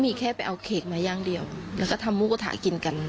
มีแค่ไปเอาเขกมาย่างเดียวแล้วก็ทำหมูกระทะกินกัน